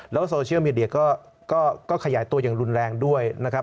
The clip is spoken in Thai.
แล้วโซเชียลมีเดียก็ขยายตัวอย่างรุนแรงด้วยนะครับ